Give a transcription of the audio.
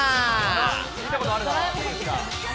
見たことあるな。